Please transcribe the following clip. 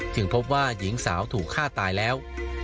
พบว่าหญิงสาวถูกฆ่าตายแล้ว